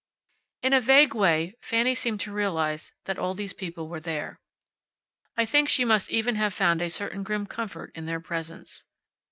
In a vague way Fanny seemed to realize that all these people were there. I think she must even have found a certain grim comfort in their presence.